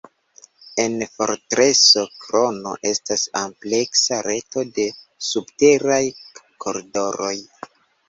En fortreso Krono estas ampleksa reto de subteraj koridoroj.